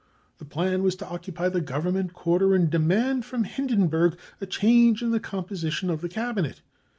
The plan was to occupy the Government quarter and demand from Hindenburg a change in the composition of the Cabinet.